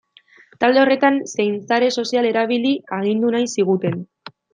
Talde horretan zein sare sozial erabili agindu nahi ziguten.